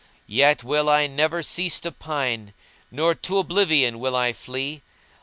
Yet will I never cease to pine * Nor to oblivion will I flee.